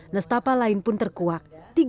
nestapa lain pun terkuak